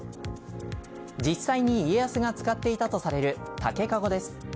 実際に家康が使っていたとされる竹駕籠です。